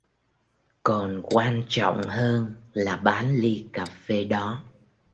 Còn quan trọng hơn là bán ly cà phê đó